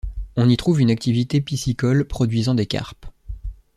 On y trouve une activité piscicole produisant des carpes.